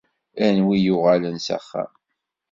Anwi yuɣalen s axxam?